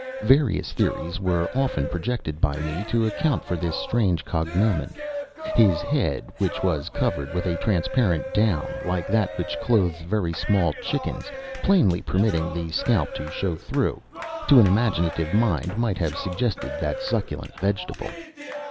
Various theories were often projected by me to account for this strange cognomen. His head, which was covered with a transparent down, like that which clothes very small chickens, plainly permitting the scalp to show through, to an imaginative mind might have suggested that succulent vegetable.